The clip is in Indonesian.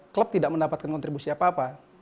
klub tidak mendapatkan kontribusi apa apa